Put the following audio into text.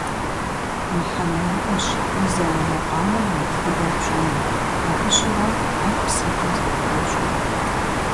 Мыхьэнэ иӀэщ узэуэ макъамэм и тхыдэр пщӀэным, абы щыгъуэм ар псэкӀэ зыхыбощӀэри.